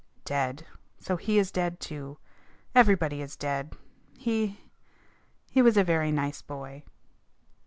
"Dead! So he is dead too! Everybody is dead. He he was a very nice boy."